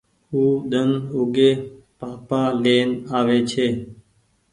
او ۮن اوگي پآپآ لين آوي ڇي۔